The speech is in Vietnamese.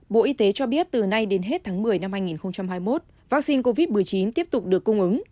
bộ y tế cho biết từ nay đến hết tháng một mươi năm hai nghìn hai mươi một vaccine covid một mươi chín tiếp tục được cung ứng